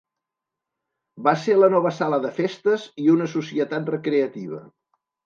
Va ser la nova sala de festes i una societat recreativa.